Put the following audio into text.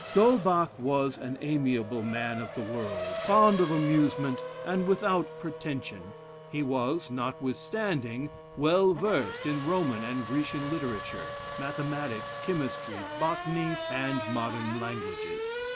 D'Holbach was an amiable man of the world, fond of amusement, and without pretension; he was, notwithstanding, well versed in Roman and Grecian literature, mathematics, chemistry, botany, and modern languages.